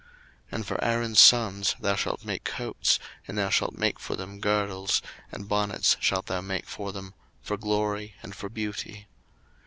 02:028:040 And for Aaron's sons thou shalt make coats, and thou shalt make for them girdles, and bonnets shalt thou make for them, for glory and for beauty.